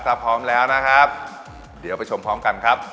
ถ้าพร้อมแล้วนะครับเดี๋ยวไปชมพร้อมกันครับ